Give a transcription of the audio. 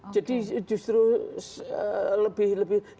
jadi justru lebih lebih